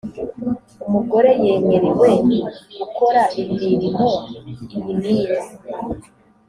umugore yemerewe gukora imirimo iyi n’iyi